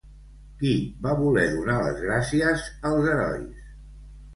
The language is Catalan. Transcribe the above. Qui va voler donar les gràcies als herois?